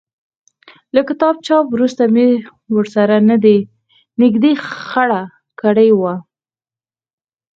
له کتاب چاپ وروسته مې ورسره نږدې خړه کړې وه.